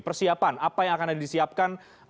persiapan apa yang akan disiapkan